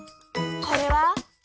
これは？